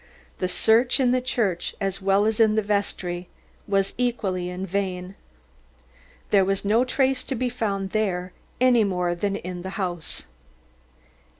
The search in the church as well as in the vestry was equally in vain. There was no trace to be found there any more than in the house.